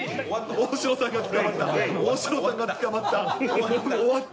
大城さんがつかまった。